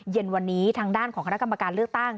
เย็นวันนี้ทางด้านของคณะกรรมการเลือกตั้ง